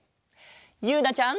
ゆうなちゃん。